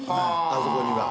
あそこには。